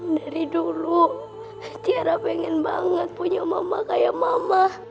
dari dulu tiara pengen banget punya mama kayak mama